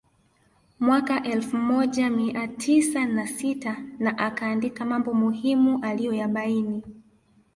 Mwaka elfu moja mia tisa na sita na akaandika mambo muhimu aliyoyabaini